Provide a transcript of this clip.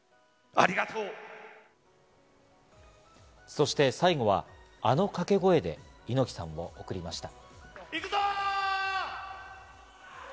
そして最後は、あの掛け声で猪木さんを送りました。